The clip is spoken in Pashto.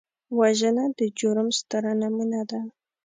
وژنه د جرم ستره نمونه ده